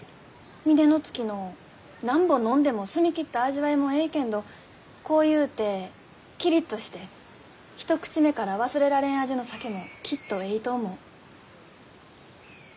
峰乃月の何本飲んでも澄み切った味わいもえいけんど濃ゆうてキリッとして一口目から忘れられん味の酒もきっとえいと思う。